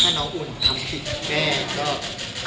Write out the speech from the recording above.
ถ้าน้องอุ่นทำผิดแก้ก็